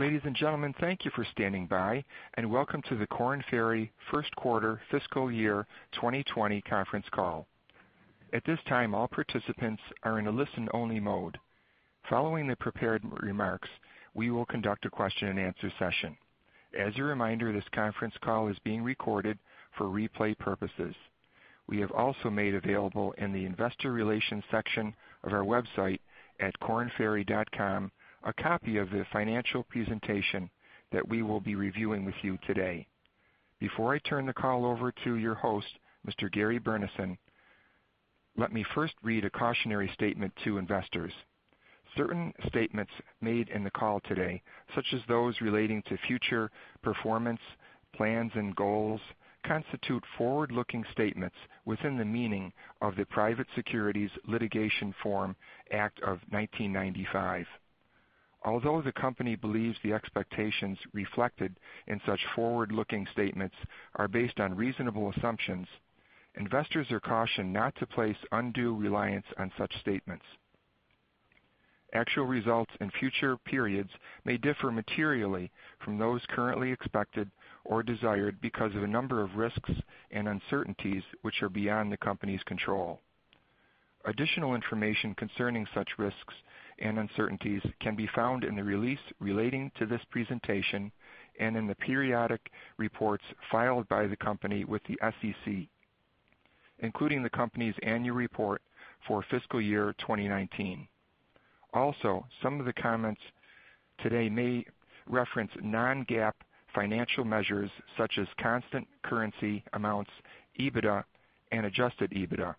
Ladies and gentlemen, thank you for standing by and welcome to the Korn Ferry first quarter fiscal year 2020 conference call. At this time, all participants are in a listen-only mode. Following the prepared remarks, we will conduct a question and answer session. As a reminder, this conference call is being recorded for replay purposes. We have also made available in the investor relations section of our website at kornferry.com, a copy of the financial presentation that we will be reviewing with you today. Before I turn the call over to your host, Mr. Gary Burnison, let me first read a cautionary statement to investors. Certain statements made in the call today, such as those relating to future performance, plans and goals, constitute forward-looking statements within the meaning of the Private Securities Litigation Reform Act of 1995. Although the company believes the expectations reflected in such forward-looking statements are based on reasonable assumptions, investors are cautioned not to place undue reliance on such statements. Actual results in future periods may differ materially from those currently expected or desired because of a number of risks and uncertainties which are beyond the company's control. Additional information concerning such risks and uncertainties can be found in the release relating to this presentation and in the periodic reports filed by the company with the SEC, including the company's annual report for fiscal year 2019. Also, some of the comments today may reference non-GAAP financial measures such as constant currency amounts, EBITDA, and Adjusted EBITDA.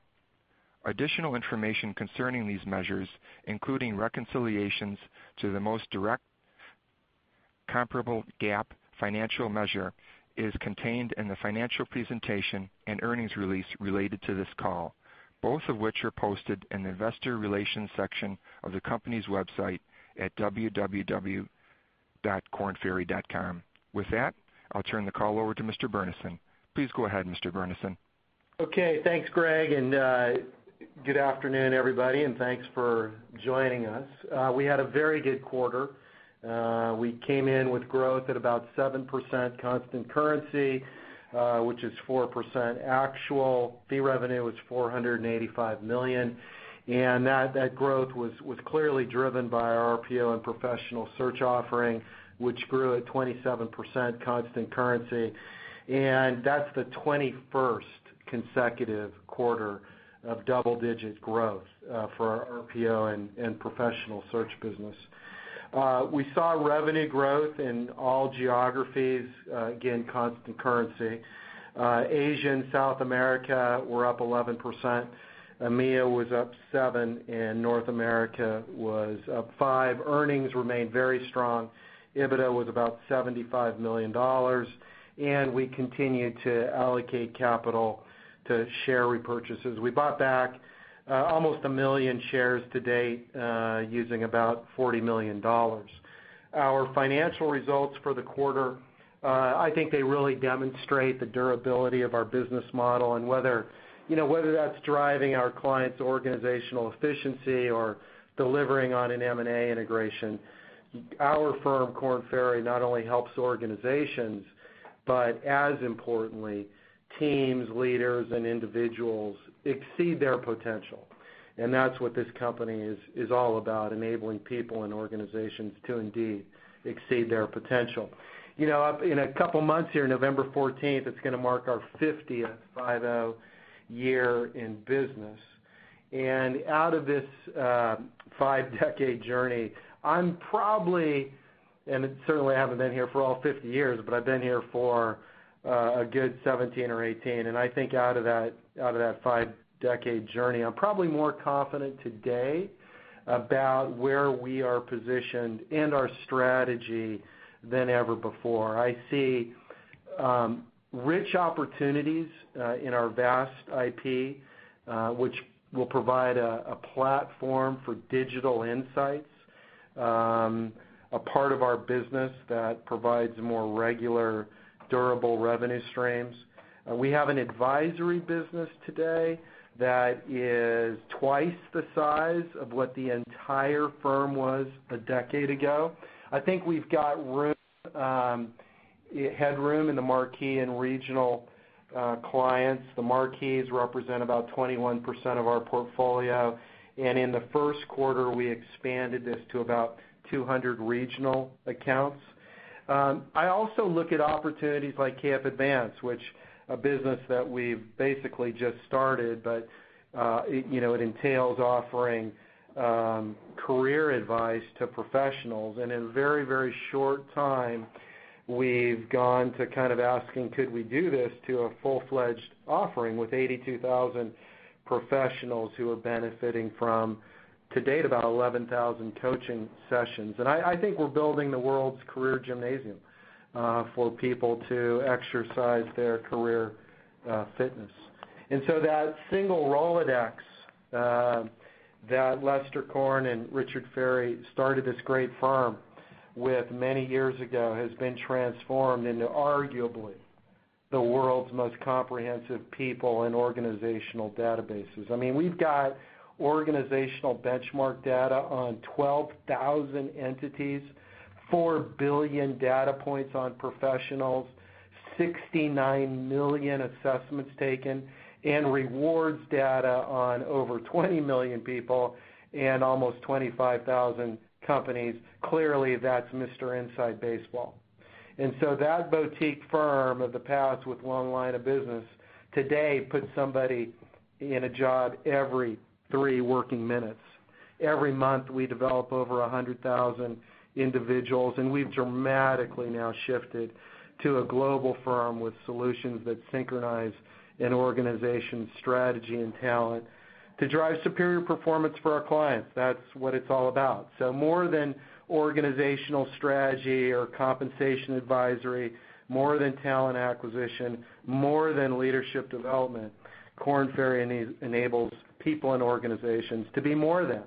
Additional information concerning these measures, including reconciliations to the most direct comparable GAAP financial measure, is contained in the financial presentation and earnings release related to this call, both of which are posted in the investor relations section of the company's website at www.kornferry.com. With that, I'll turn the call over to Mr. Burnison. Please go ahead, Mr. Burnison. Okay. Thanks, Gregg, and good afternoon, everybody, and thanks for joining us. We had a very good quarter. We came in with growth at about 7% constant currency, which is 4% actual. Fee revenue was $485 million. That growth was clearly driven by our RPO and Professional Search offering, which grew at 27% constant currency. That's the 21st consecutive quarter of double-digit growth for our RPO and Professional Search business. We saw revenue growth in all geographies, again, constant currency. Asia and South America were up 11%, EMEA was up 7%, and North America was up 5%. Earnings remained very strong. EBITDA was about $75 million. We continued to allocate capital to share repurchases. We bought back almost 1 million shares to date, using about $40 million. Our financial results for the quarter, I think they really demonstrate the durability of our business model and whether that's driving our clients' organizational efficiency or delivering on an M&A integration. Our firm, Korn Ferry, not only helps organizations, but as importantly, teams, leaders, and individuals exceed their potential. That's what this company is all about, enabling people and organizations to indeed exceed their potential. In a couple of months here, November 14th, it's going to mark our 50th, five-O, year in business. Out of this five-decade journey, I'm probably, and I certainly haven't been here for all 50 years, but I've been here for a good 17 or 18. I think out of that five-decade journey, I'm probably more confident today about where we are positioned and our strategy than ever before. I see rich opportunities in our vast IP, which will provide a platform for Digital insights, a part of our business that provides more regular, durable revenue streams. We have an advisory business today that is twice the size of what the entire firm was a decade ago. I think we've got headroom in the marquee and regional clients. The marquees represent about 21% of our portfolio. In the first quarter, we expanded this to about 200 regional accounts. I also look at opportunities like KF Advance, a business that we've basically just started, but it entails offering career advice to professionals. In a very short time, we've gone to asking, "Could we do this?" to a full-fledged offering with 82,000 professionals who are benefiting from, to date, about 11,000 coaching sessions. I think we're building the world's career gymnasium for people to exercise their career fitness. That single Rolodex that Lester Korn and Richard Ferry started this great firm with many years ago has been transformed into arguably the world's most comprehensive people in organizational databases. We've got organizational benchmark data on 12,000 entities, 4 billion data points on professionals, 69 million assessments taken, and rewards data on over 20 million people and almost 25,000 companies. Clearly, that's Mr. Inside Baseball. That boutique firm of the past with one line of business today puts somebody in a job every three working minutes. Every month, we develop over 100,000 individuals, and we've dramatically now shifted to a global firm with solutions that synchronize an organization's strategy and talent to drive superior performance for our clients. That's what it's all about. More than organizational strategy or compensation advisory, more than talent acquisition, more than leadership development, Korn Ferry enables people and organizations to be more than.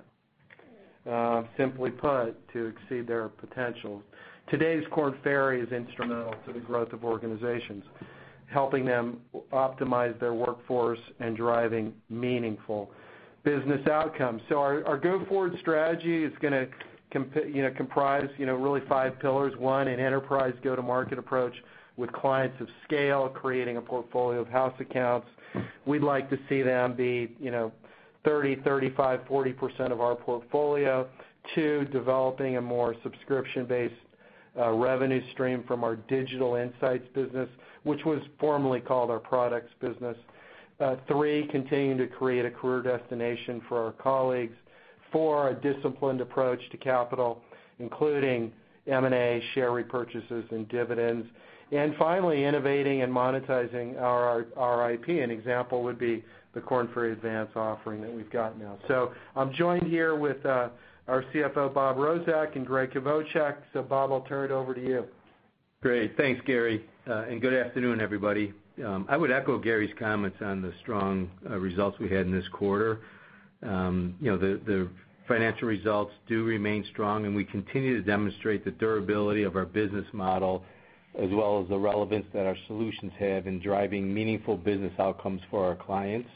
Simply put, to exceed their potential. Today's Korn Ferry is instrumental to the growth of organizations, helping them optimize their workforce and driving meaningful business outcomes. Our go-forward strategy is going to comprise really five pillars. One, an enterprise go-to-market approach with clients of scale, creating a portfolio of house accounts. We'd like to see them be 30%, 35%, 40% of our portfolio. Two, developing a more subscription-based revenue stream from our Digital Insights business, which was formerly called our Products business. Three, continuing to create a career destination for our colleagues. Four, a disciplined approach to capital, including M&A, share repurchases, and dividends. Finally, innovating and monetizing our IP. An example would be the Korn Ferry Advance offering that we've got now. I'm joined here with our CFO, Bob Rozek, and Gregg Kvochak. Bob, I'll turn it over to you. Great. Thanks, Gary. Good afternoon, everybody. I would echo Gary's comments on the strong results we had in this quarter. The financial results do remain strong, and we continue to demonstrate the durability of our business model, as well as the relevance that our solutions have in driving meaningful business outcomes for our clients.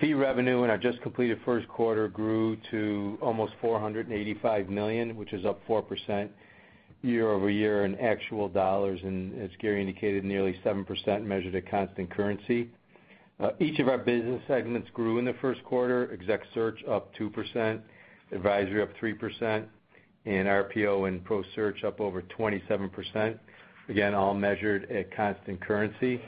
Fee revenue in our just completed first quarter grew to almost $485 million, which is up 4% year-over-year in actual dollars, and as Gary indicated, nearly 7% measured at constant currency. Each of our business segments grew in the first quarter. Exec Search up 2%, Advisory up 3%, and RPO and ProSearch up over 27%. Again, all measured at constant currency.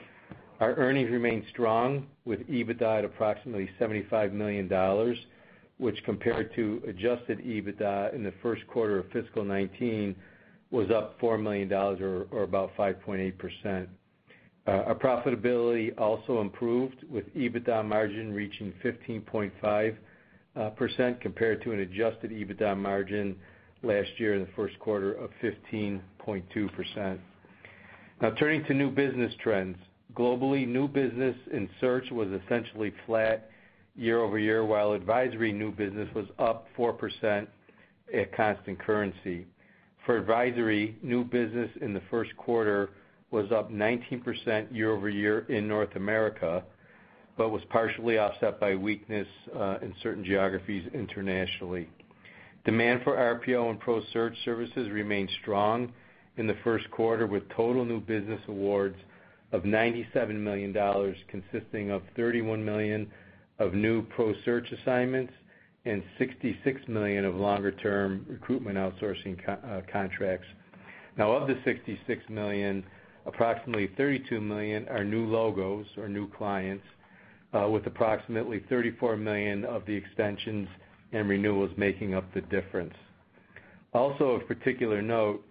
Our earnings remained strong with EBITDA at approximately $75 million, which compared to adjusted EBITDA in the first quarter of fiscal 2019, was up $4 million or about 5.8%. Our profitability also improved, with EBITDA margin reaching 15.5% compared to an adjusted EBITDA margin last year in the first quarter of 15.2%. Turning to new business trends. Globally, new business in Search was essentially flat year-over-year, while Advisory new business was up 4% at constant currency. For Advisory, new business in the first quarter was up 19% year-over-year in North America, but was partially offset by weakness in certain geographies internationally. Demand for RPO and Pro Search services remained strong in the first quarter, with total new business awards of $97 million, consisting of $31 million of new Pro Search assignments and $66 million of longer-term recruitment outsourcing contracts. Of the $66 million, approximately $32 million are new logos or new clients, with approximately $34 million of the extensions and renewals making up the difference. Of particular note,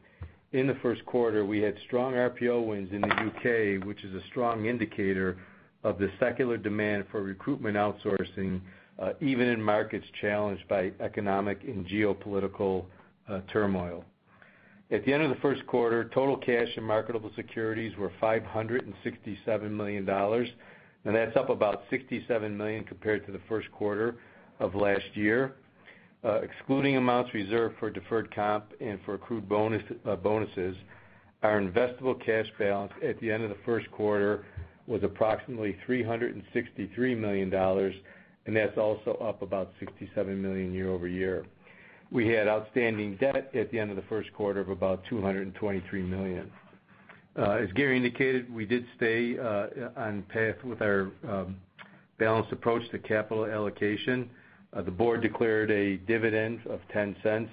in the first quarter, we had strong RPO wins in the U.K., which is a strong indicator of the secular demand for recruitment outsourcing, even in markets challenged by economic and geopolitical turmoil. At the end of the first quarter, total cash and marketable securities were $567 million, and that's up about $67 million compared to the first quarter of last year. Excluding amounts reserved for deferred comp and for accrued bonuses, our investable cash balance at the end of the first quarter was approximately $363 million, and that's also up about $67 million year-over-year. We had outstanding debt at the end of the first quarter of about $223 million. As Gary indicated, we did stay on path with our balanced approach to capital allocation. The board declared a dividend of $0.10.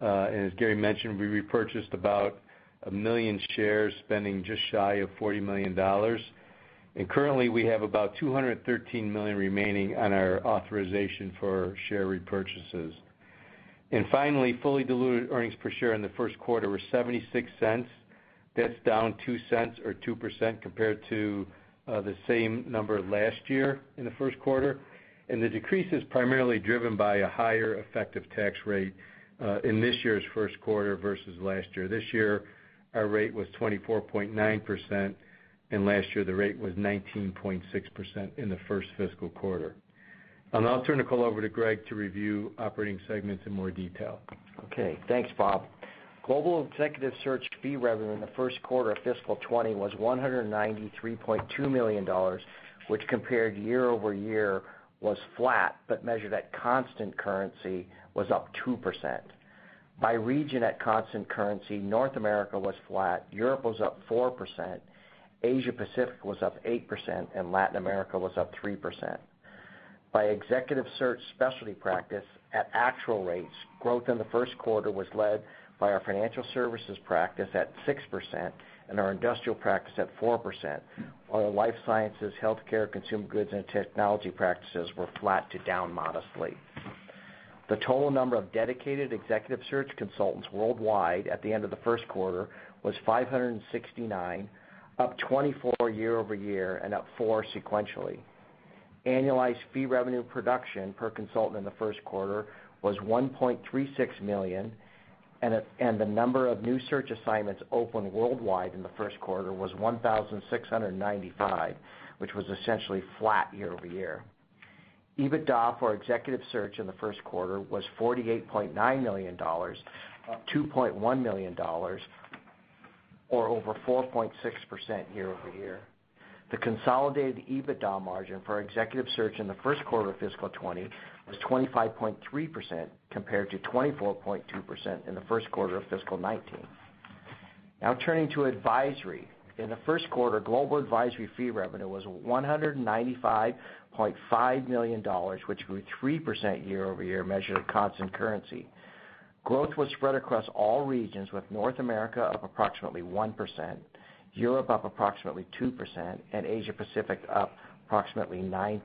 As Gary mentioned, we repurchased about 1 million shares, spending just shy of $40 million. Currently, we have about $213 million remaining on our authorization for share repurchases. Finally, fully diluted earnings per share in the first quarter were $0.76. That's down $0.02 or 2% compared to the same number last year in the first quarter. The decrease is primarily driven by a higher effective tax rate in this year's first quarter versus last year. This year, our rate was 24.9%, and last year the rate was 19.6% in the first fiscal quarter. I'll turn the call over to Gregg to review operating segments in more detail. Okay. Thanks, Bob. Global Executive Search fee revenue in the first quarter of fiscal 2020 was $193.2 million, which compared year-over-year was flat, but measured at constant currency was up 2%. By region at constant currency, North America was flat, Europe was up 4%, Asia Pacific was up 8%, and Latin America was up 3%. By Executive Search specialty practice at actual rates, growth in the first quarter was led by our financial services practice at 6% and our industrial practice at 4%, while our life sciences, healthcare, consumer goods, and technology practices were flat to down modestly. The total number of dedicated Executive Search consultants worldwide at the end of the first quarter was 569, up 24 year-over-year and up four sequentially. Annualized fee revenue production per consultant in the first quarter was $1.36 million, and the number of new search assignments opened worldwide in the first quarter was 1,695, which was essentially flat year-over-year. EBITDA for Executive Search in the first quarter was $48.9 million, up $2.1 million or over 4.6% year-over-year. The consolidated EBITDA margin for our Executive Search in the first quarter of fiscal 2020 was 25.3% compared to 24.2% in the first quarter of fiscal 2019. Now, turning to Advisory. In the first quarter, global Advisory fee revenue was $195.5 million, which grew 3% year-over-year measured at constant currency. Growth was spread across all regions, with North America up approximately 1%, Europe up approximately 2%, and Asia Pacific up approximately 9%,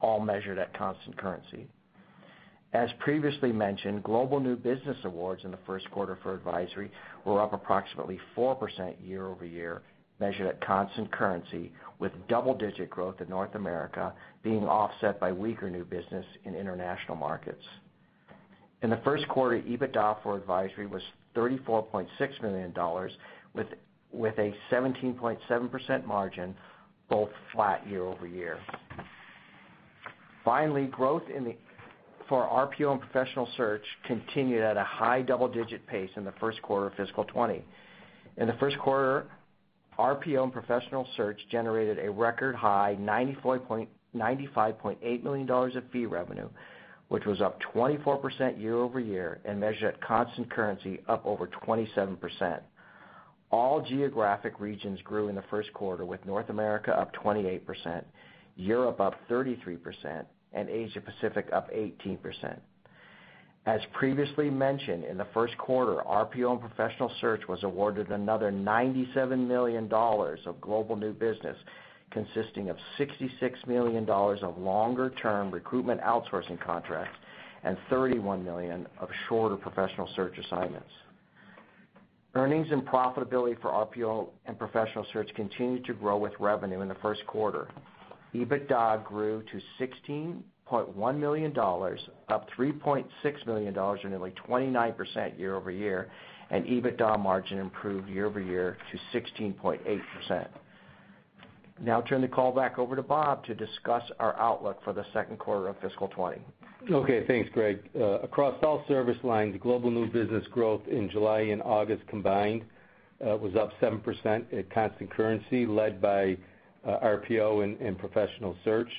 all measured at constant currency. As previously mentioned, global new business awards in the first quarter for advisory were up approximately 4% year-over-year, measured at constant currency, with double-digit growth in North America being offset by weaker new business in international markets. In the first quarter, EBITDA for advisory was $34.6 million, with a 17.7% margin, both flat year-over-year. Finally, growth for RPO and Professional Search continued at a high double-digit pace in the first quarter of fiscal 2020. In the first quarter, RPO and Professional Search generated a record high $95.8 million of fee revenue, which was up 24% year-over-year, and measured at constant currency up over 27%. All geographic regions grew in the first quarter, with North America up 28%, Europe up 33%, and Asia Pacific up 18%. As previously mentioned, in the first quarter, RPO and Professional Search was awarded another $97 million of global new business, consisting of $66 million of longer-term recruitment outsourcing contracts and $31 million of shorter Professional Search assignments. Earnings and profitability for RPO and Professional Search continued to grow with revenue in the first quarter. EBITDA grew to $16.1 million, up $3.6 million or nearly 29% year-over-year, and EBITDA margin improved year-over-year to 16.8%. I'll turn the call back over to Bob to discuss our outlook for the second quarter of fiscal 2020. Okay. Thanks, Gregg. Across all service lines, global new business growth in July and August combined was up 7% at constant currency, led by RPO and professional search.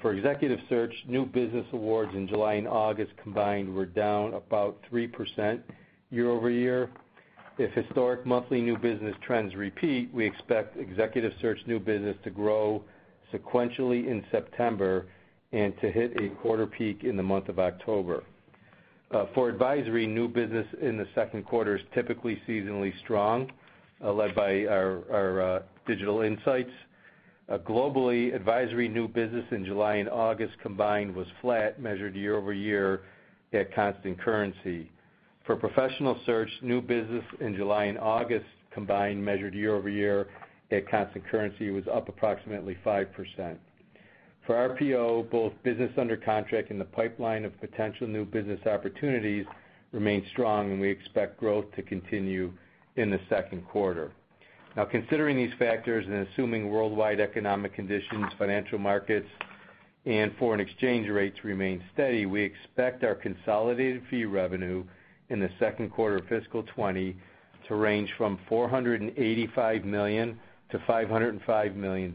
For executive search, new business awards in July and August combined were down about 3% year-over-year. If historic monthly new business trends repeat, we expect executive search new business to grow sequentially in September and to hit a quarter peak in the month of October. For advisory, new business in the second quarter is typically seasonally strong, led by our digital insights. Globally, advisory new business in July and August combined was flat measured year-over-year at constant currency. For professional search, new business in July and August combined measured year-over-year at constant currency was up approximately 5%. For RPO, both business under contract and the pipeline of potential new business opportunities remain strong, and we expect growth to continue in the second quarter. Considering these factors and assuming worldwide economic conditions, financial markets, and foreign exchange rates remain steady, we expect our consolidated fee revenue in the second quarter of fiscal 2020 to range from $485 million-$505 million,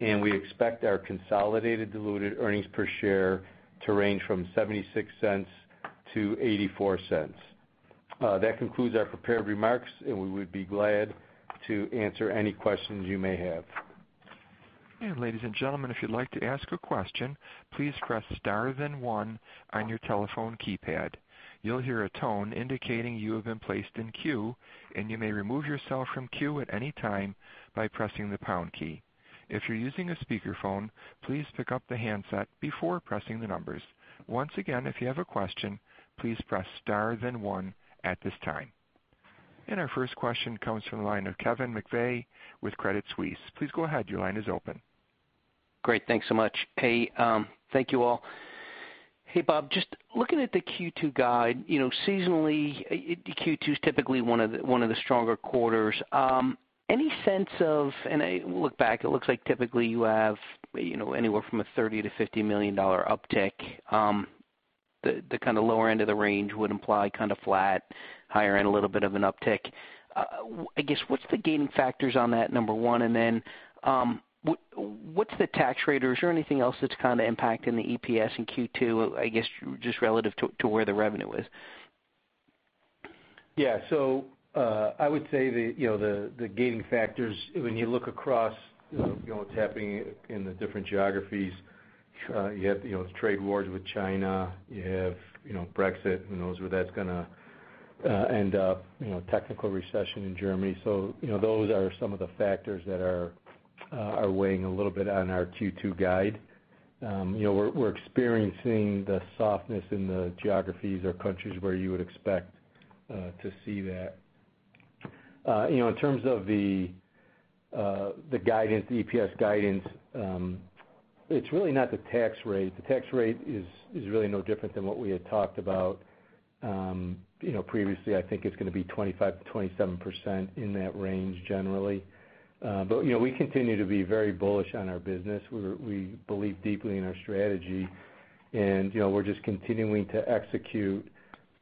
and we expect our consolidated diluted earnings per share to range from $0.76-$0.84. That concludes our prepared remarks, and we would be glad to answer any questions you may have. Ladies and gentlemen, if you'd like to ask a question, please press star then one on your telephone keypad. You'll hear a tone indicating you have been placed in queue, and you may remove yourself from queue at any time by pressing the pound key. If you're using a speakerphone, please pick up the handset before pressing the numbers. Once again, if you have a question, please press star then one at this time. Our first question comes from the line of Kevin McVeigh with Credit Suisse. Please go ahead. Your line is open. Great. Thanks so much. Hey, thank you all. Hey, Bob, just looking at the Q2 guide, seasonally Q2 is typically one of the stronger quarters. Any sense of, and we'll look back, it looks like typically you have anywhere from a $30 million-$50 million uptick. The kind of lower end of the range would imply kind of flat, higher end, a little bit of an uptick. I guess, what's the gaining factors on that, number one, and then what's the tax rate? Is there anything else that's kind of impacting the EPS in Q2, I guess, just relative to where the revenue is? Yeah. I would say the gaining factors, when you look across what's happening in the different geographies, you have the trade wars with China. You have Brexit. Who knows where that's going to end up. Technical recession in Germany. Those are some of the factors that are weighing a little bit on our Q2 guide. We're experiencing the softness in the geographies or countries where you would expect to see that. In terms of the EPS guidance, it's really not the tax rate. The tax rate is really no different than what we had talked about previously. I think it's going to be 25%-27%, in that range, generally. We continue to be very bullish on our business. We believe deeply in our strategy, and we're just continuing to execute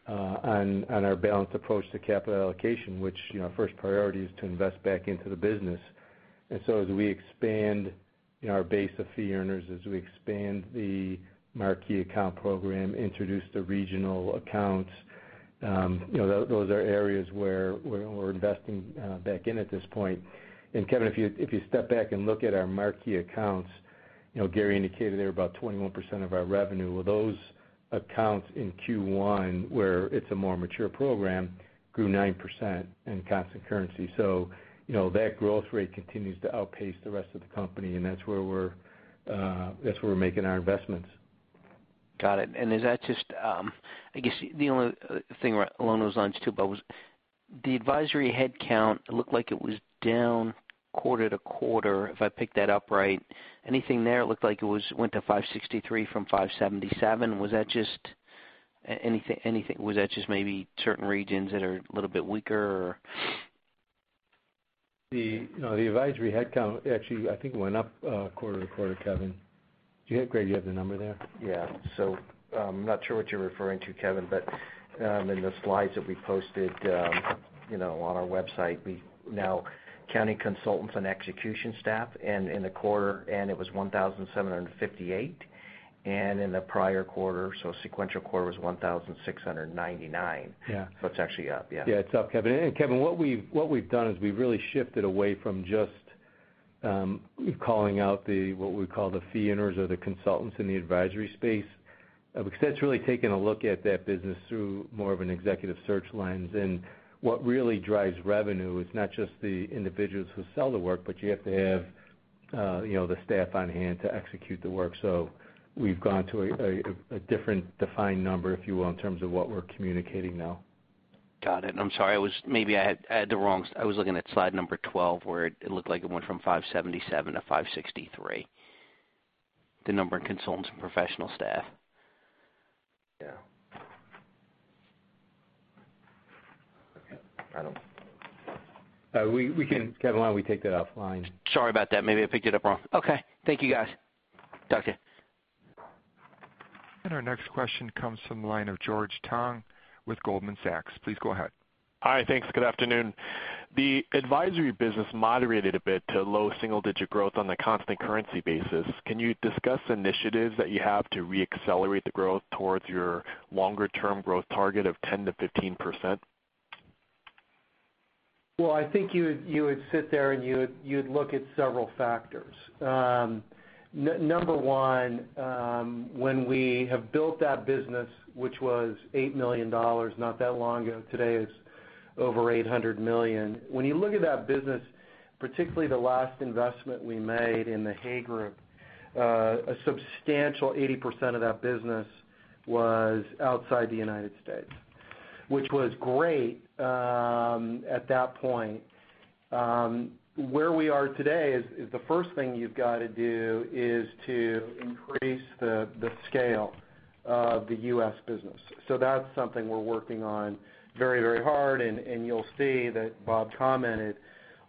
on our balanced approach to capital allocation, which first priority is to invest back into the business. As we expand our base of fee earners, as we expand the Marquee account program, introduce the regional accounts, those are areas where we're investing back in at this point. Kevin, if you step back and look at our Marquee accounts, Gary indicated they were about 21% of our revenue. Well, those accounts in Q1, where it's a more mature program, grew 9% in constant currency. That growth rate continues to outpace the rest of the company, and that's where we're making our investments. Got it. I guess the only thing along those lines too, Bob, was the advisory headcount looked like it was down quarter-to-quarter, if I picked that up right. Anything there? It looked like it went to 563 from 577. Was that just maybe certain regions that are a little bit weaker, or? The advisory headcount actually, I think, went up quarter to quarter, Kevin. Gregg, do you have the number there? Yeah. I'm not sure what you're referring to, Kevin, but in the slides that we posted on our website, counting consultants and execution staff, and in the quarter end it was 1,758, and in the prior quarter, so sequential quarter, was 1,699. Yeah. It's actually up, yeah. Yeah, it's up, Kevin. Kevin, what we've done is we've really shifted away from just calling out what we call the fee earners or the consultants in the advisory space. That's really taken a look at that business through more of an executive search lens. What really drives revenue is not just the individuals who sell the work, but you have to have the staff on-hand to execute the work. We've gone to a different defined number, if you will, in terms of what we're communicating now. Got it. I'm sorry. Maybe I was looking at slide number 12, where it looked like it went from 577 to 563, the number of consultants and professional staff. Yeah. Okay. I don't Kevin, why don't we take that offline? Sorry about that. Maybe I picked it up wrong. Okay, thank you, guys. Talk to you. Our next question comes from the line of George Tong with Goldman Sachs. Please go ahead. Hi. Thanks. Good afternoon. The advisory business moderated a bit to low single-digit growth on the constant currency basis. Can you discuss initiatives that you have to re-accelerate the growth towards your longer-term growth target of 10%-15%? Well, I think you would sit there and you'd look at several factors. Number one, when we have built that business, which was $8 million not that long ago, today it's over $800 million. When you look at that business, particularly the last investment we made in the Hay Group, a substantial 80% of that business was outside the United States, which was great at that point. Where we are today is, the first thing you've got to do is to increase the scale of the U.S. business. That's something we're working on very hard, and you'll see that Bob commented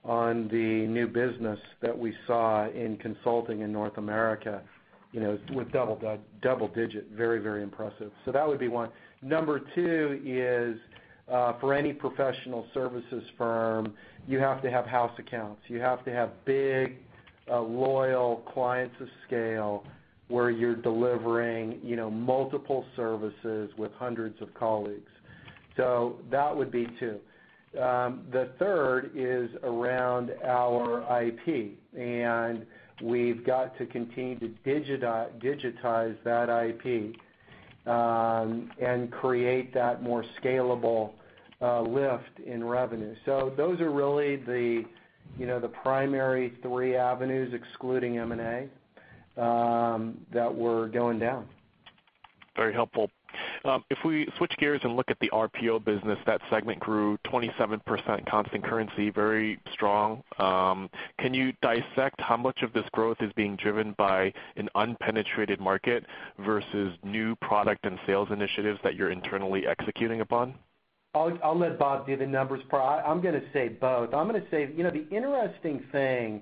on the new business that we saw in consulting in North America, with double digit. Very impressive. That would be one. Number two is, for any professional services firm, you have to have house accounts. You have to have big, loyal clients of scale where you're delivering multiple services with hundreds of colleagues. That would be two. The third is around our IP, and we've got to continue to digitize that IP and create that more scalable lift in revenue. Those are really the primary three avenues, excluding M&A, that we're going down. Very helpful. If we switch gears and look at the RPO business, that segment grew 27% constant currency, very strong. Can you dissect how much of this growth is being driven by an unpenetrated market versus new product and sales initiatives that you're internally executing upon? I'll let Bob give the numbers. I'm going to say both. I'm going to say, the interesting thing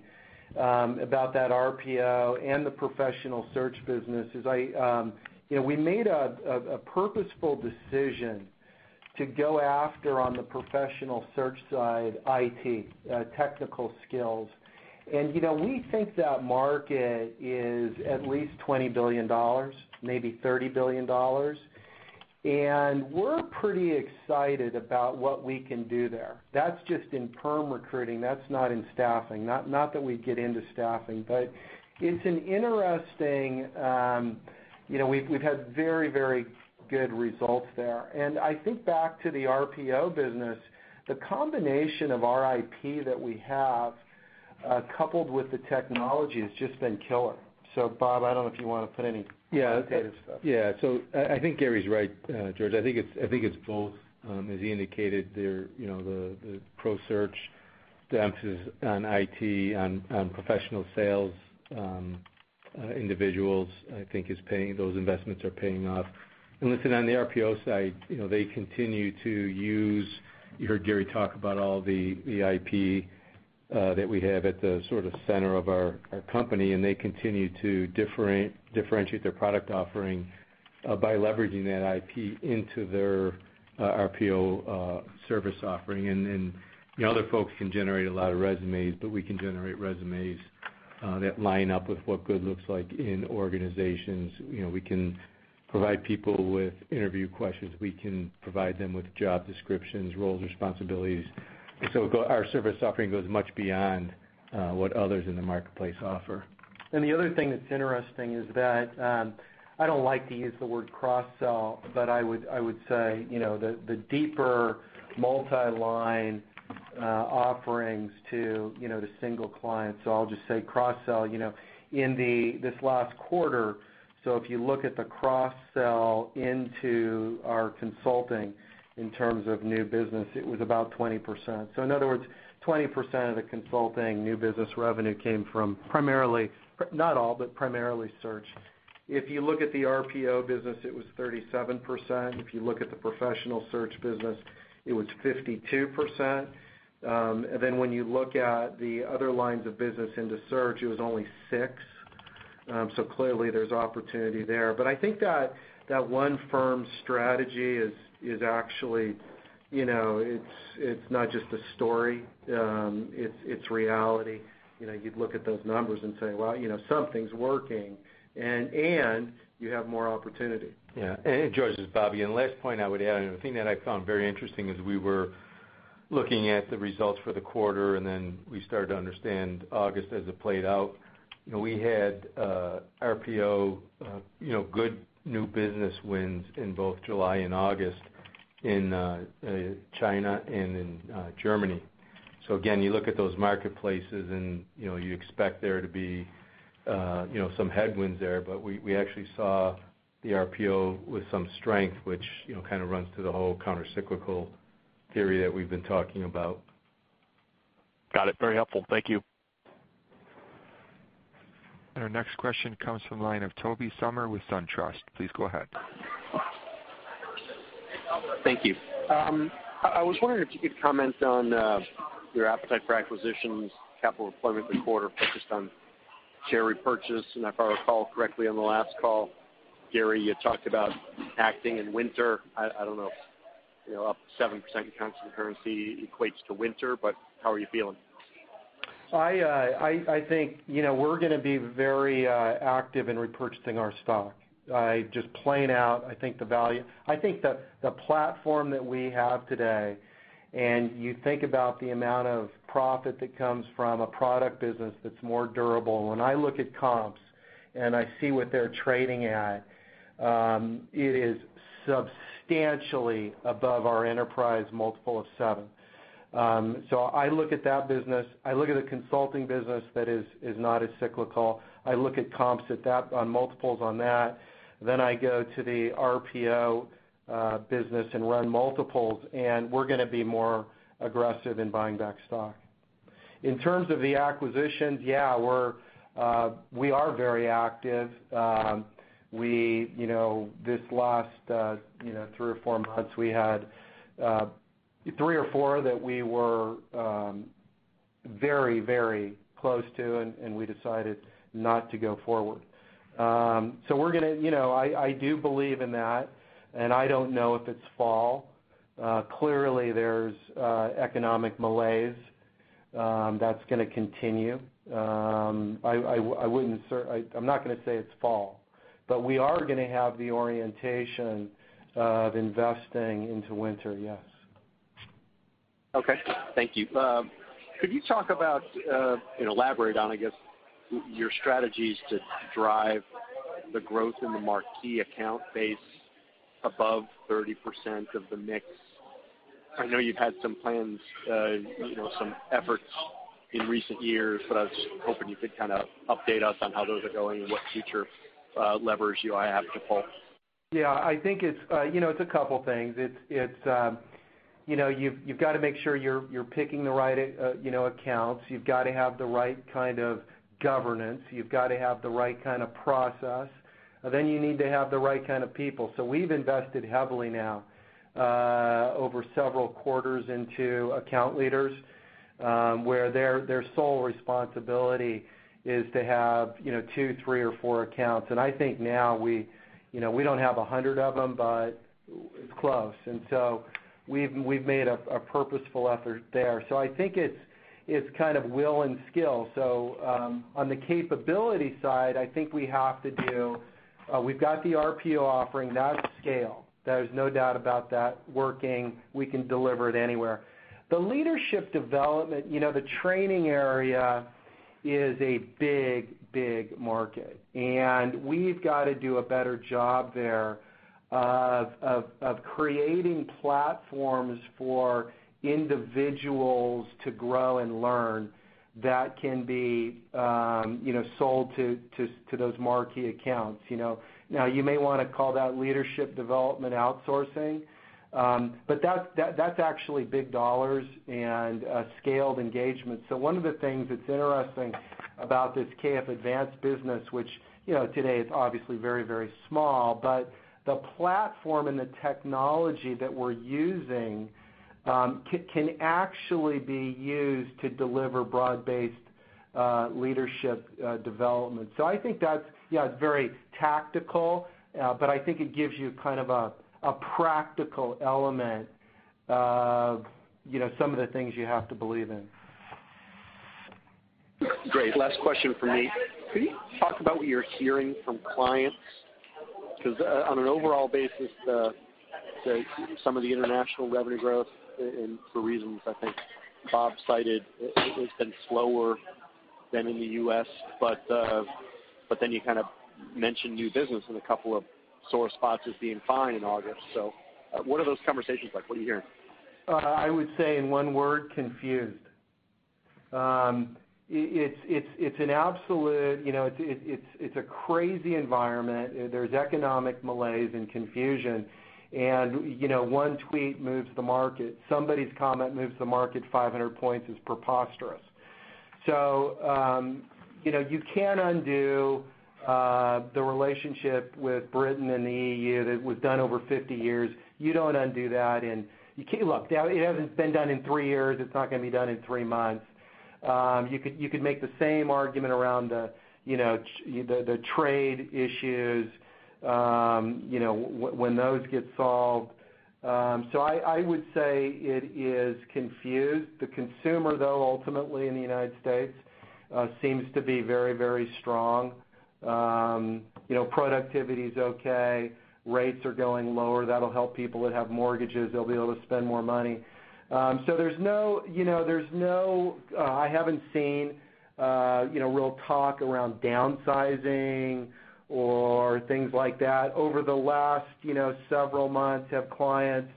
about that RPO and the Professional Search business is we made a purposeful decision to go after, on the Professional Search side, IT, technical skills. We think that market is at least $20 billion, maybe $30 billion. We're pretty excited about what we can do there. That's just in perm recruiting. That's not in staffing, not that we'd get into staffing, but it's interesting. We've had very good results there. I think back to the RPO business, the combination of our IP that we have, coupled with the technology, has just been killer. Bob, I don't know if you want to put any- Yeah. Okay. updated stuff. Yeah. I think Gary's right, George. I think it's both. As he indicated there, the ProSearch emphasis on IT, on professional sales individuals, I think those investments are paying off. Listen, on the RPO side, you heard Gary talk about all the IP that we have at the center of our company. They continue to differentiate their product offering by leveraging that IP into their RPO service offering. The other folks can generate a lot of resumes, but we can generate resumes that line up with what good looks like in organizations. We can provide people with interview questions. We can provide them with job descriptions, roles, responsibilities. Our service offering goes much beyond what others in the marketplace offer. The other thing that's interesting is that I don't like to use the word cross-sell, but I would say, the deeper multi-line offerings to single clients. I'll just say cross-sell. In this last quarter, if you look at the cross-sell into our Consulting in terms of new business, it was about 20%. In other words, 20% of the Consulting new business revenue came from primarily, not all, but primarily Search. If you look at the RPO business, it was 37%. If you look at the Professional Search business, it was 52%. When you look at the other lines of business into Search, it was only 6%. Clearly, there's opportunity there. I think that one firm strategy is actually not just a story. It's reality. You'd look at those numbers and say, "Well, something's working." You have more opportunity. Yeah. George, this is Bobby. Last point I would add, and the thing that I found very interesting as we were looking at the results for the quarter, and then I started to understand August as it played out. We had RPO good new business wins in both July and August in China and in Germany. Again, you look at those marketplaces, and you expect there to be some headwinds there. We actually saw the RPO with some strength, which kind of runs through the whole countercyclical theory that we've been talking about. Got it. Very helpful. Thank you. Our next question comes from the line of Tobey Sommer with SunTrust. Please go ahead. Thank you. I was wondering if you could comment on your appetite for acquisitions, capital deployment in the quarter, focused on share repurchase. If I recall correctly on the last call, Gary, you talked about acting in winter. I don't know if up 7% constant currency equates to winter, but how are you feeling? I think we're going to be very active in repurchasing our stock. Just playing out, I think the platform that we have today, and you think about the amount of profit that comes from a product business that's more durable. When I look at comps and I see what they're trading at, it is substantially above our enterprise multiple of 7. I look at that business, I look at a consulting business that is not as cyclical. I look at comps on multiples on that. I go to the RPO business and run multiples, and we're going to be more aggressive in buying back stock. In terms of the acquisitions, yeah, we are very active. This last three or four months, we had three or four that we were very close to, and we decided not to go forward. I do believe in that. I don't know if it's fall. Clearly, there's economic malaise that's going to continue. I'm not going to say it's fall. We are going to have the orientation of investing into winter, yes. Okay. Thank you. Could you talk about, elaborate on, I guess, your strategies to drive the growth in the marquee account base above 30% of the mix? I know you've had some plans, some efforts in recent years, but I was just hoping you could update us on how those are going and what future levers you have to pull. I think it's a couple things. You've got to make sure you're picking the right accounts. You've got to have the right kind of governance. You've got to have the right kind of process. You need to have the right kind of people. We've invested heavily now over several quarters into account leaders, where their sole responsibility is to have two, three, or four accounts. I think now we don't have 100 of them, but it's close. We've made a purposeful effort there. I think it's kind of will and skill. On the capability side, I think we've got the RPO offering, that's scale. There's no doubt about that working. We can deliver it anywhere. The leadership development, the training area is a big market, and we've got to do a better job there of creating platforms for individuals to grow and learn that can be sold to those marquee accounts. Now, you may want to call that leadership development outsourcing, but that's actually big dollars and a scaled engagement. One of the things that's interesting about this KF Advance business, which today is obviously very small, but the platform and the technology that we're using can actually be used to deliver broad-based leadership development. I think that's very tactical, but I think it gives you a practical element of some of the things you have to believe in. Great. Last question from me. Could you talk about what you're hearing from clients? On an overall basis, some of the international revenue growth, and for reasons I think Bob cited, it's been slower than in the U.S. You kind of mentioned new business and a couple of sore spots as being fine in August. What are those conversations like? What are you hearing? I would say in one word, confused. It's a crazy environment. There's economic malaise and confusion, and one tweet moves the market. Somebody's comment moves the market 500 points is preposterous. You can't undo the relationship with Britain and the EU that was done over 50 years. You don't undo that, and look, it hasn't been done in three years. It's not going to be done in three months. You could make the same argument around the trade issues when those get solved. I would say it is confused. The consumer, though, ultimately in the U.S., seems to be very strong. Productivity's okay. Rates are going lower. That'll help people that have mortgages. They'll be able to spend more money. I haven't seen real talk around downsizing or things like that. Over the last several months, have clients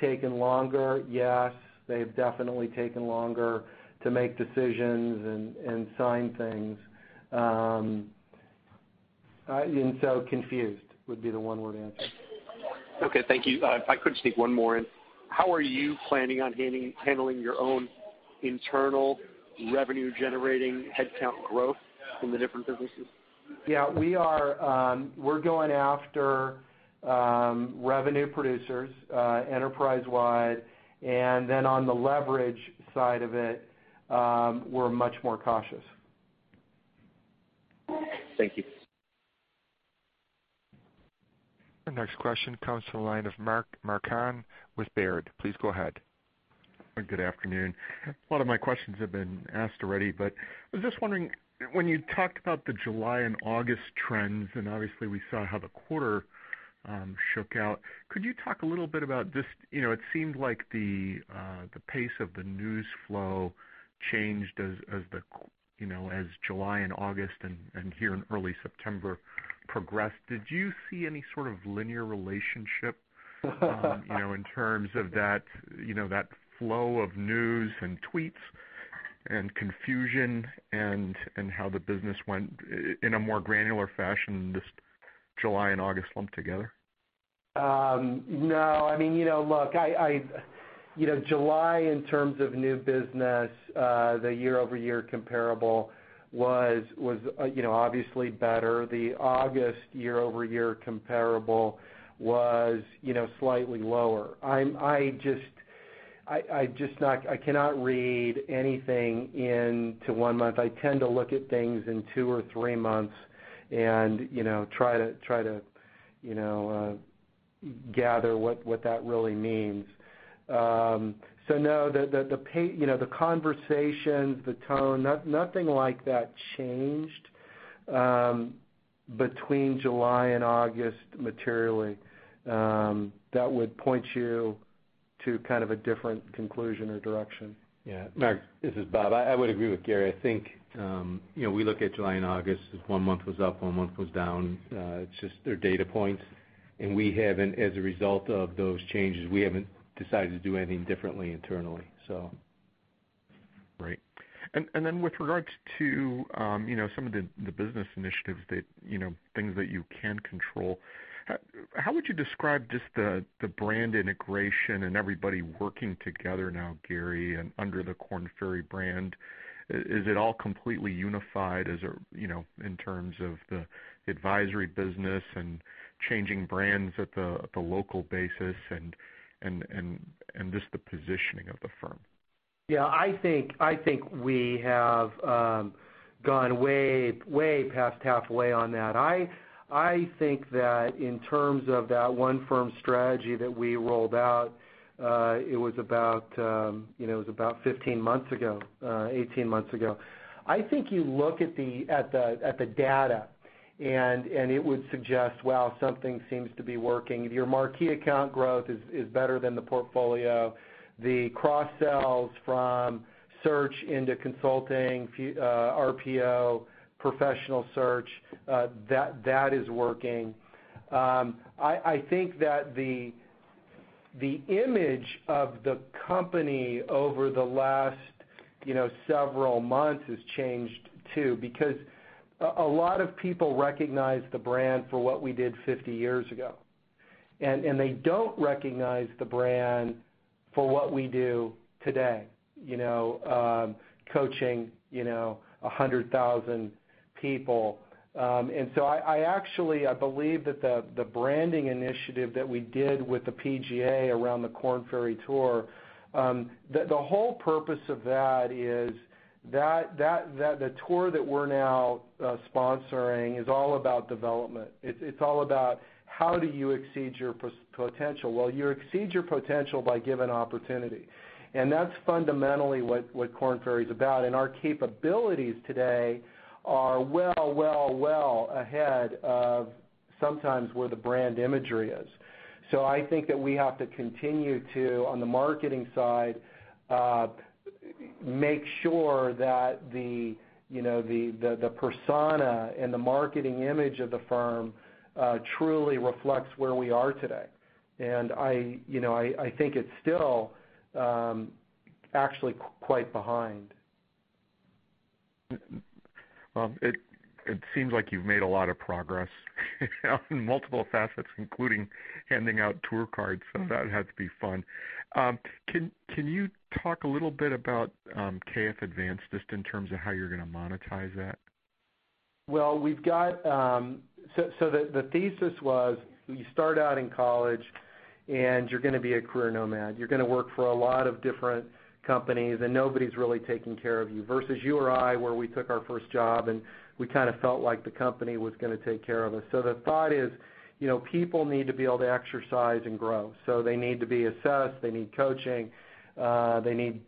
taken longer? Yes, they've definitely taken longer to make decisions and sign things. Confused would be the one-word answer. Okay. Thank you. If I could sneak one more in. How are you planning on handling your own internal revenue-generating headcount growth in the different businesses? Yeah, we're going after revenue producers enterprise-wide, and then on the leverage side of it, we're much more cautious. Thank you. Our next question comes from the line of Mark Marcon with Baird. Please go ahead. Good afternoon. A lot of my questions have been asked already, I was just wondering, when you talked about the July and August trends, and obviously we saw how the quarter shook out, could you talk a little bit about this? It seemed like the pace of the news flow changed as July and August and here in early September progressed. Did you see any sort of linear relationship in terms of that flow of news and tweets and confusion and how the business went in a more granular fashion than just July and August lumped together? No. Look, July, in terms of new business, the year-over-year comparable was obviously better. The August year-over-year comparable was slightly lower. I cannot read anything into one month. I tend to look at things in two or three months and try to gather what that really means. No, the conversations, the tone, nothing like that changed between July and August materially that would point you to kind of a different conclusion or direction. Yeah. Mark, this is Bob. I would agree with Gary. I think we look at July and August as one month was up, one month was down. It's just they're data points, and as a result of those changes, we haven't decided to do anything differently internally. Right. With regards to some of the business initiatives, things that you can control, how would you describe just the brand integration and everybody working together now, Gary, under the Korn Ferry brand? Is it all completely unified in terms of the advisory business and changing brands at the local basis and just the positioning of the firm? Yeah, I think we have gone way past halfway on that. I think that in terms of that one firm strategy that we rolled out, it was about 15 months ago, 18 months ago. I think you look at the data and it would suggest, wow, something seems to be working. Your marquee account growth is better than the portfolio. The cross-sells from search into consulting, RPO, Professional Search, that is working. I think that the image of the company over the last several months has changed too, because a lot of people recognize the brand for what we did 50 years ago, and they don't recognize the brand for what we do today, coaching 100,000 people. I actually believe that the branding initiative that we did with the PGA around the Korn Ferry Tour, the whole purpose of that is that the tour that we're now sponsoring is all about development. It's all about how do you exceed your potential. Well, you exceed your potential by given opportunity. That's fundamentally what Korn Ferry's about. Our capabilities today are well ahead of sometimes where the brand imagery is. I think that we have to continue to, on the marketing side, make sure that the persona and the marketing image of the firm truly reflects where we are today. I think it's still actually quite behind. Well, it seems like you've made a lot of progress on multiple facets, including handing out tour cards, so that had to be fun. Can you talk a little bit about KF Advance, just in terms of how you're going to monetize that? Well, the thesis was you start out in college and you're going to be a career nomad. You're going to work for a lot of different companies, and nobody's really taking care of you, versus you or I, where we took our first job and we kind of felt like the company was going to take care of us. The thought is, people need to be able to exercise and grow. They need to be assessed, they need coaching, they need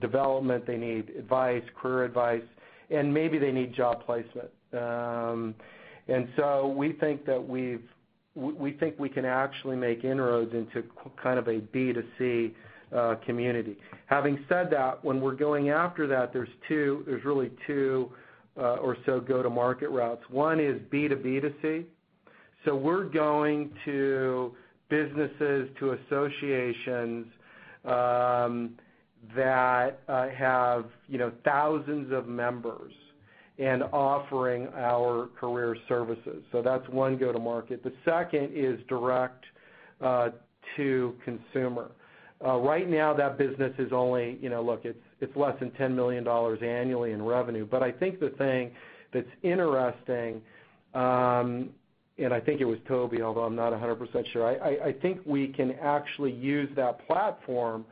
development, they need advice, career advice, and maybe they need job placement. We think we can actually make inroads into kind of a B2C community. Having said that, when we're going after that, there's really two or so go-to-market routes. One is B2B2C. We're going to businesses, to associations, that have thousands of members and offering our career services. That's one go to market. The second is direct to consumer. Right now that business is only, look, it's less than $10 million annually in revenue. I think the thing that's interesting, and I think it was Tobey, although I'm not 100% sure, I think we can actually use that platform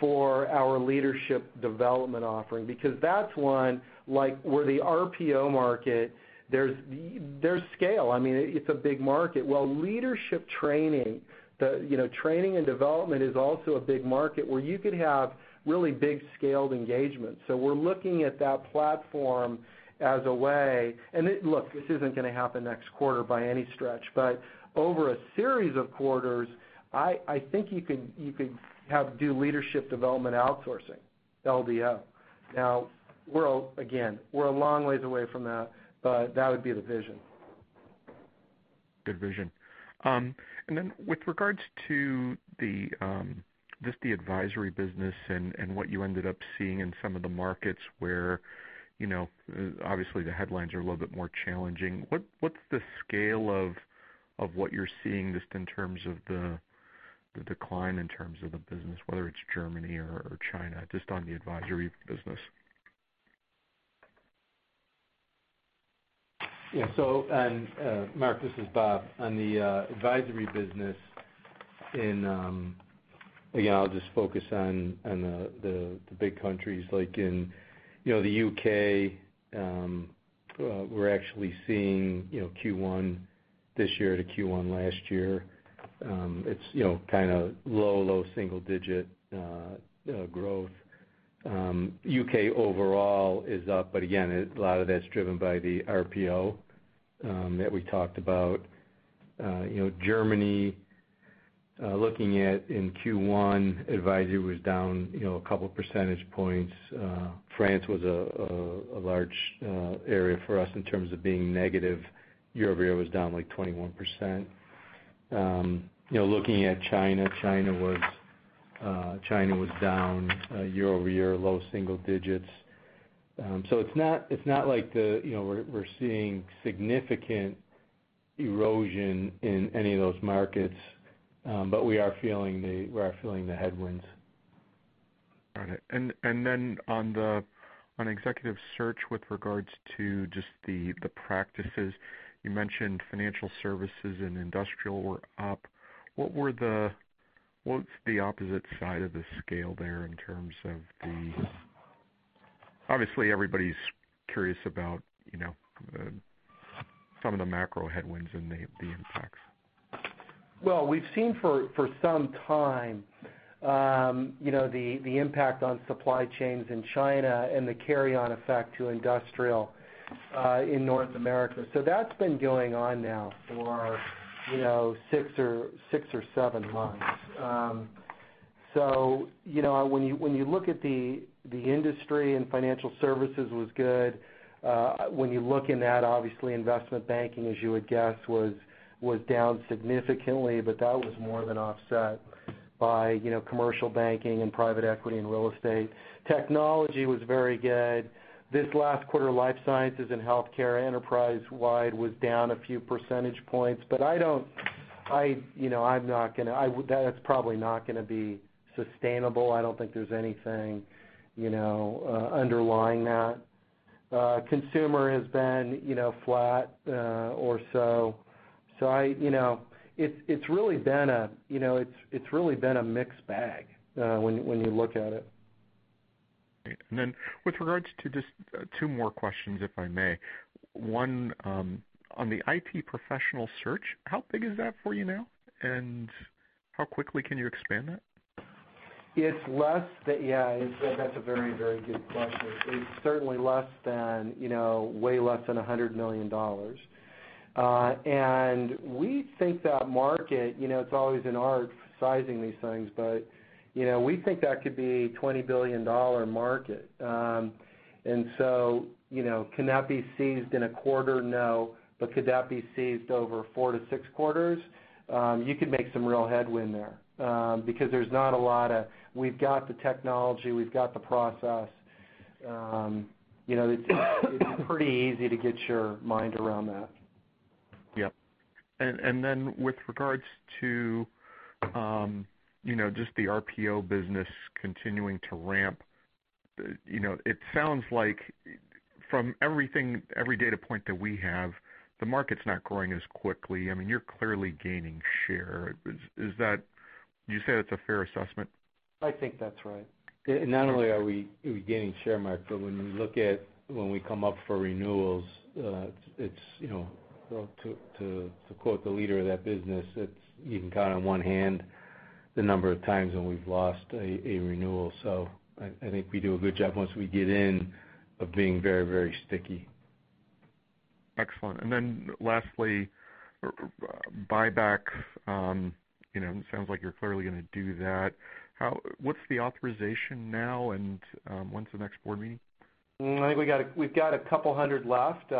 for our leadership development offering because that's one, like where the RPO market, there's scale. I mean, it's a big market. Well, leadership training and development is also a big market where you could have really big scaled engagement. We're looking at that platform as a way, look, this isn't going to happen next quarter by any stretch, but over a series of quarters, I think you could do leadership development outsourcing, LDO. Again, we're a long ways away from that, but that would be the vision. Good vision. With regards to just the advisory business and what you ended up seeing in some of the markets where obviously the headlines are a little bit more challenging, what's the scale of what you're seeing just in terms of the decline in terms of the business, whether it's Germany or China, just on the advisory business? Yeah. Marc, this is Bob. On the advisory business in, again, I'll just focus on the big countries, like in the U.K., we're actually seeing Q1 this year to Q1 last year, it's kind of low single-digit growth. U.K. overall is up, again, a lot of that's driven by the RPO that we talked about. Germany, looking at in Q1, advisory was down a couple percentage points. France was a large area for us in terms of being negative year-over-year, it was down like 21%. Looking at China was down year-over-year, low single digits. It's not like we're seeing significant erosion in any of those markets, but we are feeling the headwinds. Got it. On Executive Search with regards to just the practices, you mentioned financial services and industrial were up. What's the opposite side of the scale there in terms of? Obviously, everybody's curious about some of the macro headwinds and the impacts. Well, we've seen for some time the impact on supply chains in China and the carry-on effect to industrial in North America. That's been going on now for six or seven months. When you look at the industry and financial services was good. When you look in that, obviously, investment banking, as you would guess, was down significantly, but that was more than offset by commercial banking and private equity and real estate. Technology was very good. This last quarter, life sciences and healthcare enterprise-wide was down a few percentage points, but that's probably not going to be sustainable. I don't think there's anything underlying that. Consumer has been flat or so. It's really been a mixed bag when you look at it. Great. Then with regards to just two more questions, if I may. One, on the IT Professional Search, how big is that for you now, and how quickly can you expand that? That's a very, very good question. It's certainly way less than $100 million. We think that market, it's always an art sizing these things, but we think that could be a $20 billion market. Can that be seized in a quarter? No, but could that be seized over four to six quarters? You could make some real headwind there, because there's not a lot of, "We've got the technology, we've got the process." It's pretty easy to get your mind around that. Yep. With regards to just the RPO business continuing to ramp, it sounds like from every data point that we have, the market's not growing as quickly. I mean, you're clearly gaining share. Would you say that's a fair assessment? I think that's right. Not only are we gaining share, Marc, when we look at when we come up for renewals, to quote the leader of that business, you can count on one hand the number of times when we've lost a renewal. I think we do a good job once we get in of being very sticky. Excellent. Lastly, buybacks. It sounds like you're clearly going to do that. What's the authorization now, and when's the next board meeting? I think we've got a couple hundred left.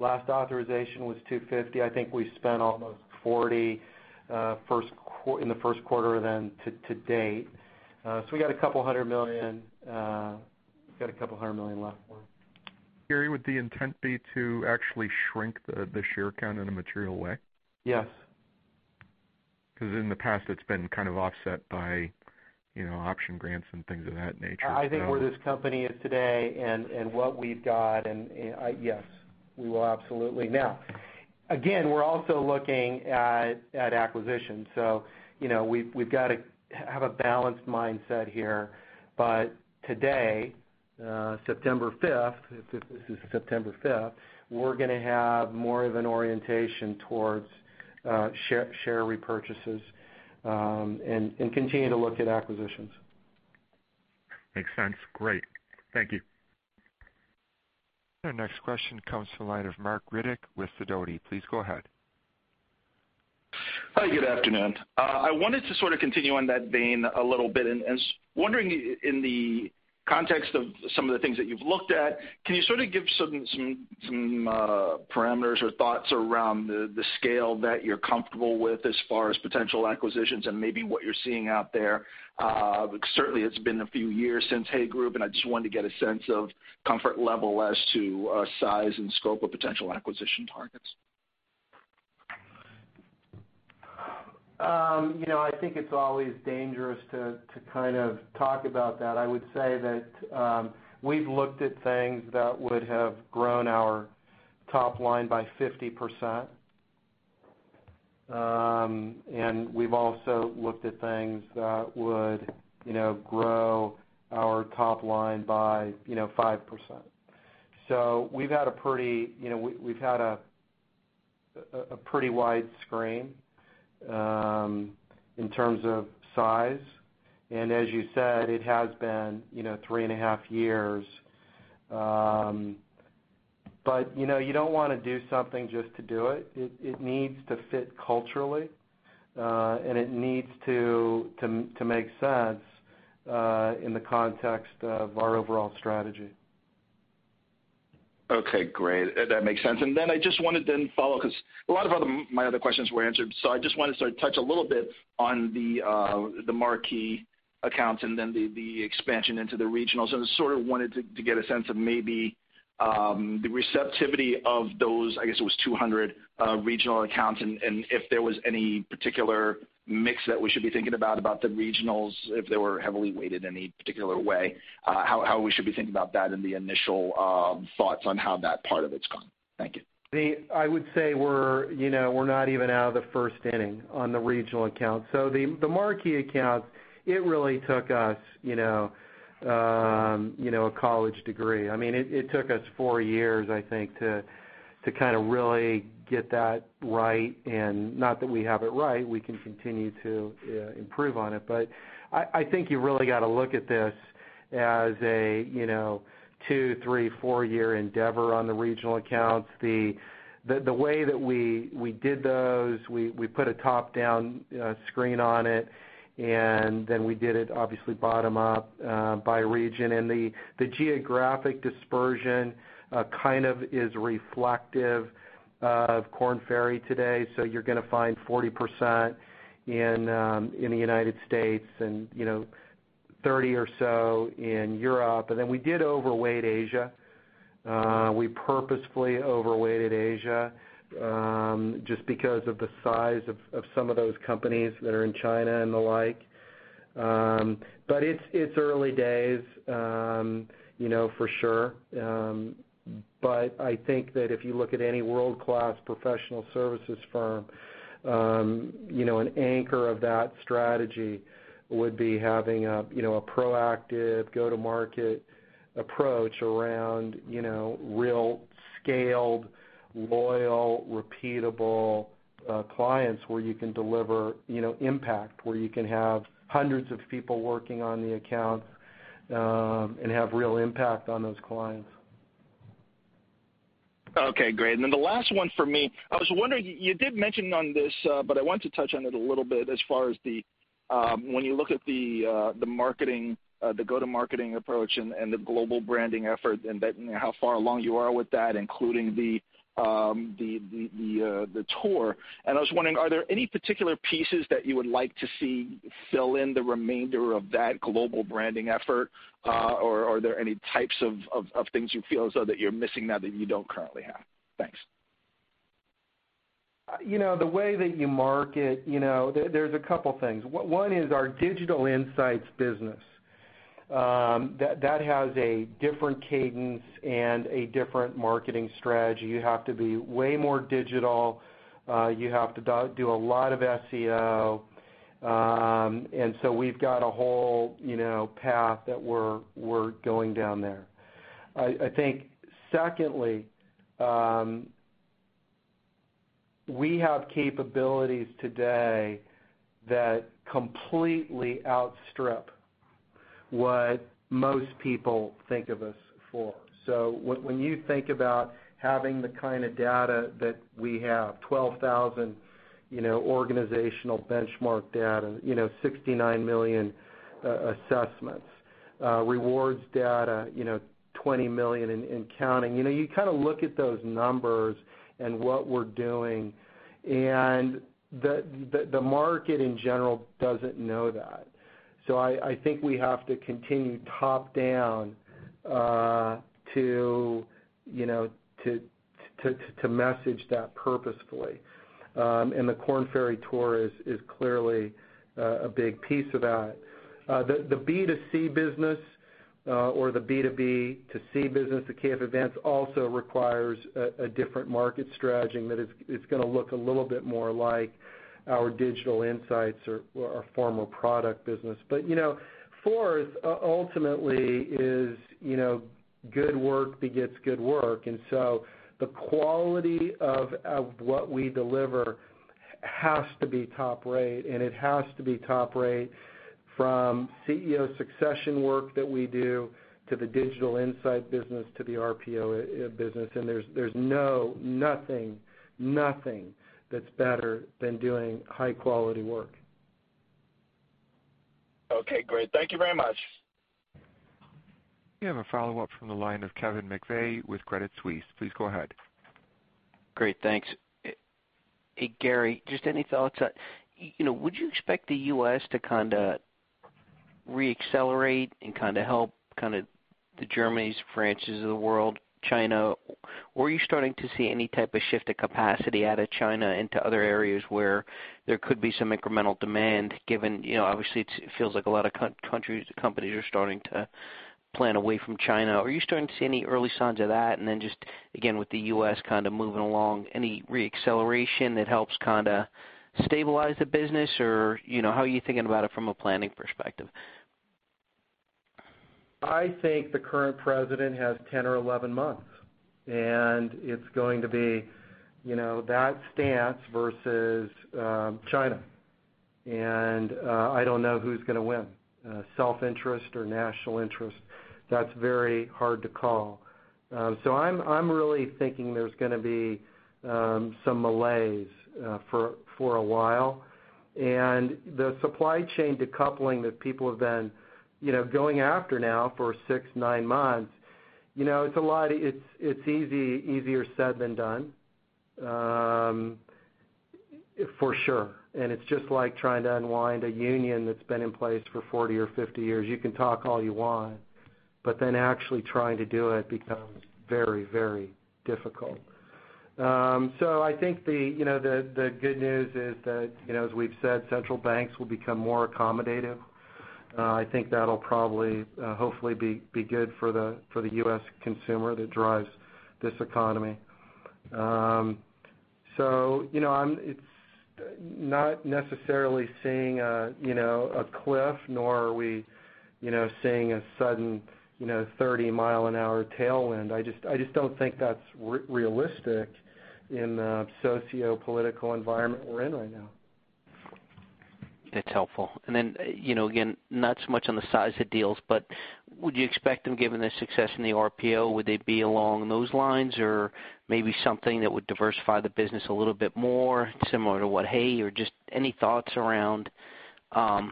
Last authorization was $250. I think we spent almost $40 in the first quarter then to date. We got a couple hundred million left for them. Gary, would the intent be to actually shrink the share count in a material way? Yes. In the past, it's been kind of offset by option grants and things of that nature. I think where this company is today and what we've got. Yes, we will absolutely. Again, we're also looking at acquisitions, so we've got to have a balanced mindset here. Today, September 5th, this is September 5th, we're going to have more of an orientation towards share repurchases, and continue to look at acquisitions. Makes sense. Great. Thank you. Our next question comes from the line of Marc Riddick with Sidoti. Please go ahead. Hi, good afternoon. I wanted to sort of continue on that vein a little bit and was wondering in the context of some of the things that you've looked at, can you sort of give some parameters or thoughts around the scale that you're comfortable with as far as potential acquisitions and maybe what you're seeing out there? Certainly, it's been a few years since Hay Group, and I just wanted to get a sense of comfort level as to size and scope of potential acquisition targets. I think it's always dangerous to kind of talk about that. I would say that we've looked at things that would have grown our top line by 50%, and we've also looked at things that would grow our top line by 5%. We've had a pretty wide screen in terms of size. As you said, it has been 3.5 years. You don't want to do something just to do it. It needs to fit culturally, and it needs to make sense in the context of our overall strategy. Okay, great. That makes sense. I just wanted to follow because a lot of my other questions were answered. I just wanted to touch a little bit on the Marquee accounts and then the expansion into the regionals, and sort of wanted to get a sense of maybe the receptivity of those, I guess it was 200 regional accounts, and if there was any particular mix that we should be thinking about the regionals, if they were heavily weighted in any particular way, how we should be thinking about that and the initial thoughts on how that part of it's gone. Thank you. I would say we're not even out of the first inning on the regional accounts. The marquee accounts, it really took us a college degree. It took us four years, I think, to really get that right. Not that we have it right, we can continue to improve on it. I think you really got to look at this as a two, three, four-year endeavor on the regional accounts. The way that we did those, we put a top-down screen on it, and then we did it obviously bottom up by region. The geographic dispersion kind of is reflective of Korn Ferry today. You're going to find 40% in the United States and 30% or so in Europe. We did overweight Asia. We purposefully overweighted Asia, just because of the size of some of those companies that are in China and the like. It's early days for sure. I think that if you look at any world-class professional services firm, an anchor of that strategy would be having a proactive go-to-market approach around real scaled, loyal, repeatable clients where you can deliver impact, where you can have hundreds of people working on the account, and have real impact on those clients. Okay, great. The last one for me. I was wondering, you did mention on this, but I want to touch on it a little bit as far as when you look at the go-to-marketing approach and the global branding effort and how far along you are with that, including the tour. I was wondering, are there any particular pieces that you would like to see fill in the remainder of that global branding effort? Are there any types of things you feel as though that you're missing now that you don't currently have? Thanks. The way that you market, there's a couple things. One is our Digital insights business. That has a different cadence and a different marketing strategy. You have to be way more digital. You have to do a lot of SEO. We've got a whole path that we're going down there. I think secondly, we have capabilities today that completely outstrip what most people think of us for. When you think about having the kind of data that we have, 12,000 organizational benchmark data, 69 million assessments, rewards data, 20 million and counting. You kind of look at those numbers and what we're doing, the market in general doesn't know that. I think we have to continue top-down to message that purposefully. The Korn Ferry Tour is clearly a big piece of that. The B2C business or the B2B2C business, the KF events, also requires a different market strategy, that it's going to look a little bit more like our Digital insights or our former product business. Fourth, ultimately, is good work begets good work. So the quality of what we deliver has to be top rate, and it has to be top rate from CEO succession work that we do to the Digital insight business to the RPO business. There's nothing that's better than doing high-quality work. Okay, great. Thank you very much. We have a follow-up from the line of Kevin McVeigh with Credit Suisse. Please go ahead. Great. Thanks. Hey, Gary, just any thoughts. Would you expect the U.S. to kind of re-accelerate and help the Germanys, Frances of the world, China? Are you starting to see any type of shift of capacity out of China into other areas where there could be some incremental demand, given, obviously it feels like a lot of companies are starting to plan away from China. Are you starting to see any early signs of that? Just, again, with the U.S. kind of moving along, any re-acceleration that helps kind of stabilize the business? How are you thinking about it from a planning perspective? I think the current president has 10 or 11 months, and it's going to be that stance versus China. I don't know who's going to win, self-interest or national interest. That's very hard to call. I'm really thinking there's going to be some malaise for a while. The supply chain decoupling that people have been going after now for six, nine months, it's easier said than done. For sure. It's just like trying to unwind a union that's been in place for 40 or 50 years. You can talk all you want, actually trying to do it becomes very difficult. I think the good news is that, as we've said, central banks will become more accommodative. I think that'll probably, hopefully be good for the U.S. consumer that drives this economy. It's not necessarily seeing a cliff, nor are we seeing a sudden 30-mile-an-hour tailwind. I just don't think that's realistic in the sociopolitical environment we're in right now. That's helpful. Again, not so much on the size of deals, but would you expect them, given the success in the RPO, would they be along those lines or maybe something that would diversify the business a little bit more similar to what Hay, or just any thoughts around how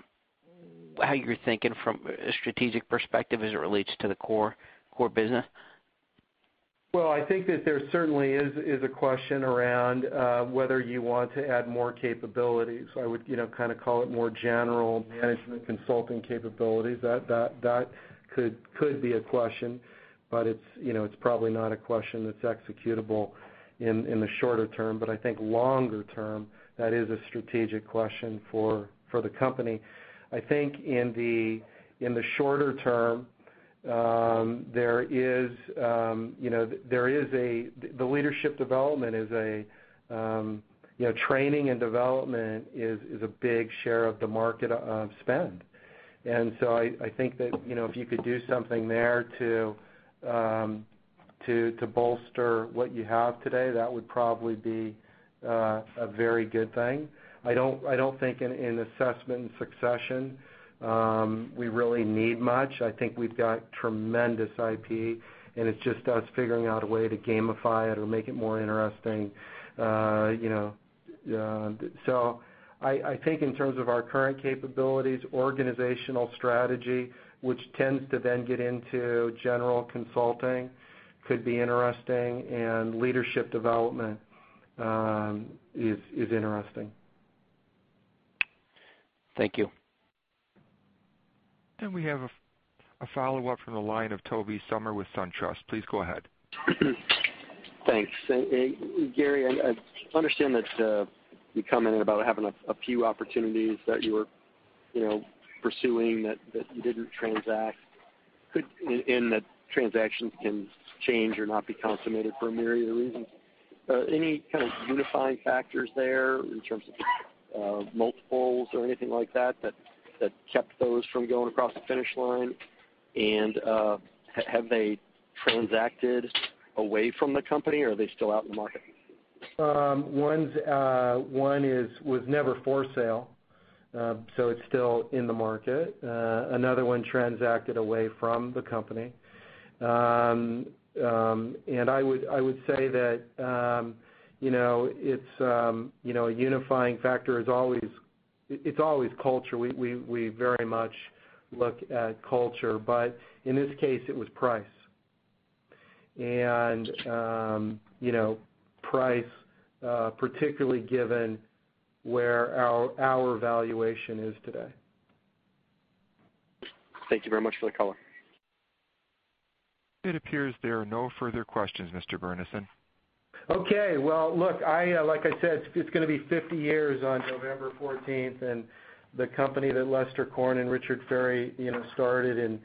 you're thinking from a strategic perspective as it relates to the core business? I think that there certainly is a question around whether you want to add more capabilities. I would call it more general management consulting capabilities. That could be a question, but it's probably not a question that's executable in the shorter term. I think longer term, that is a strategic question for the company. I think in the shorter term, the leadership development, training and development is a big share of the market of spend. I think that if you could do something there to bolster what you have today, that would probably be a very good thing. I don't think in assessment and succession, we really need much. I think we've got tremendous IP, and it's just us figuring out a way to gamify it or make it more interesting. I think in terms of our current capabilities, organizational strategy, which tends to then get into general consulting, could be interesting, and leadership development is interesting. Thank you. We have a follow-up from the line of Tobey Sommer with SunTrust. Please go ahead. Thanks. Gary, I understand that you commented about having a few opportunities that you were pursuing that you didn't transact could, and that transactions can change or not be consummated for a myriad of reasons. Any kind of unifying factors there in terms of multiples or anything like that that kept those from going across the finish line? Have they transacted away from the company or are they still out in the market? One was never for sale. It's still in the market. Another one transacted away from the company. I would say that a unifying factor is always culture. We very much look at culture, but in this case it was price, particularly given where our valuation is today. Thank you very much for the color. It appears there are no further questions, Mr. Burnison. Okay. Well, look, like I said, it's going to be 50 years on November 14th, and the company that Lester Korn and Richard Ferry started in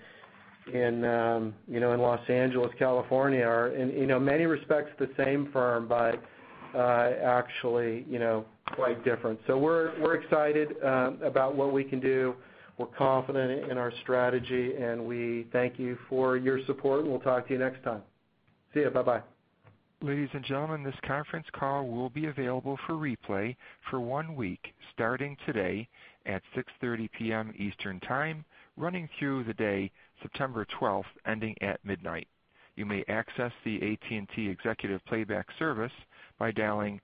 Los Angeles, California, are in many respects the same firm, but actually quite different. We're excited about what we can do. We're confident in our strategy, and we thank you for your support, and we'll talk to you next time. See you. Bye-bye. Ladies and gentlemen, this conference call will be available for replay for one week starting today at 6:30 P.M. Eastern Time, running through the day, September 12th, ending at midnight. You may access the AT&T Executive Playback Service by dialing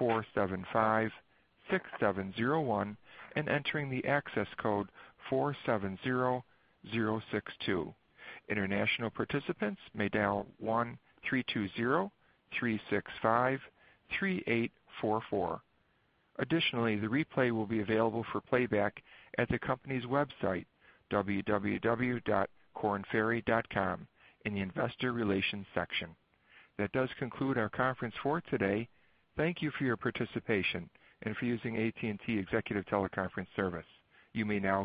1-800-475-6701 and entering the access code 470062. International participants may dial 1-320-365-3844. Additionally, the replay will be available for playback at the company's website, www.kornferry.com, in the investor relations section. That does conclude our conference for today. Thank you for your participation and for using AT&T Executive Teleconference Service. You may now disconnect.